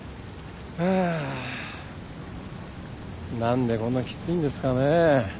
何でこんなきついんですかねえ。